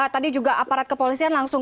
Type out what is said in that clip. tadi juga aparat kepolisian langsung